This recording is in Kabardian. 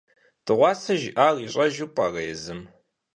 Дыгъуасэ жиӀар ищӀэжу пӀэрэ езым?